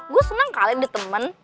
gue senang kali dia temen